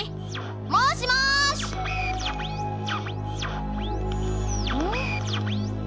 もしもし！え？